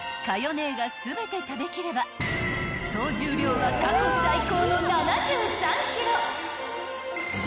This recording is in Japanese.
姉が全て食べきれば総重量は過去最高の７３ｋｇ］